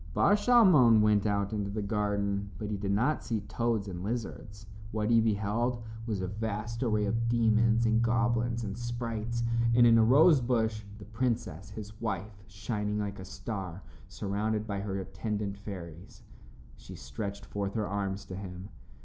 Bar Shalmon went out into the garden, but he did not see toads and lizards. What he beheld was a vast array of demons and goblins and sprites, and in a rose bush the princess, his wife, shining like a star, surrounded by her attendant fairies. She stretched forth her arms to him.